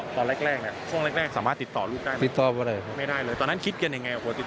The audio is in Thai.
เพราะว่าข่าก็มียอดพูดเสียชีวิต